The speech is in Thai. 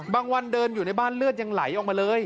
วันเดินอยู่ในบ้านเลือดยังไหลออกมาเลย